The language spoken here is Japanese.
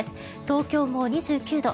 東京も２９度。